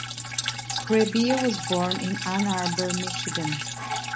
Krehbiel was born in Ann Arbor, Michigan.